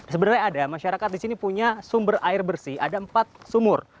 sebenarnya ada masyarakat di sini punya sumber air bersih ada empat sumur